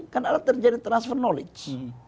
kan ada terjadi transfer knowledge